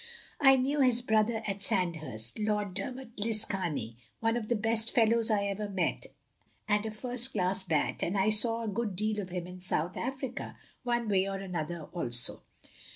I knew his brother at Sandhurst, Lord Dermot Liscarney, one of the best fellows I ever met, and a first class bat; and I saw a good deal of him in South Africa, one way and another also.